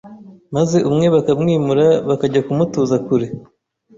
maze umwe bakamwimura bakajya kumutuza kure